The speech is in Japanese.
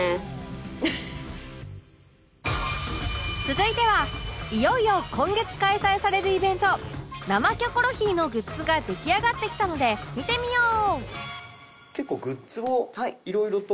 続いてはいよいよ今月開催されるイベント「生キョコロヒー」のグッズが出来上がってきたので見てみよう！